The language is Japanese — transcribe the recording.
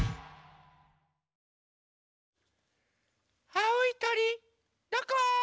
あおいとりどこ？